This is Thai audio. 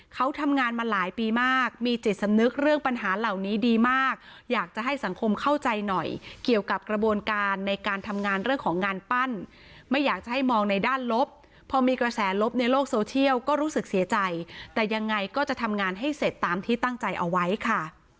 เขาทำงานมาหลายปีมากมีจิตสำนึกเรื่องปัญหาเหล่านี้ดีมากอยากจะให้สังคมเข้าใจหน่อยเกี่ยวกับกระบวนการในการทำงานเรื่องของงานปั้นไม่อยากจะให้มองในด้านลบพอมีกระแสลบในโลกโซเชียลก็รู้สึกเสียใจแต่ยังไงก็จะทำงานให้เสร็จตามที่ตั้งใจเอาไว้ค่ะ